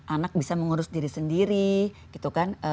anak bisa mengurus diri sendiri gitu kan